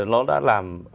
nó đã làm